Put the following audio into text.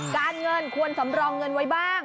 การเงินควรสำรองเงินไว้บ้าง